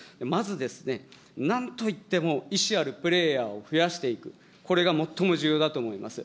まずですね、なんといっても意思あるプレーヤーを増やしていく、これが最も重要だと思います。